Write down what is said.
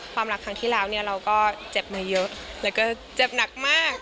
ความรักครั้งที่แล้วเนี่ยเราก็เจ็บมาเยอะแล้วก็เจ็บหนักมาก